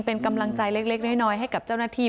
เป็นกำลังใจเล็กน้อยให้กับเจ้าหน้าที่